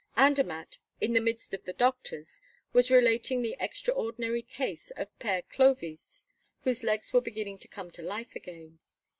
Andermatt, in the midst of the doctors, was relating the extraordinary case of Père Clovis, whose legs were beginning to come to life again.